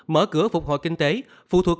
mở cửa phục hồi kinh tế phụ thuộc